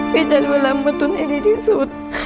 พี่จะดูแลหมดตุ้นดีที่สุด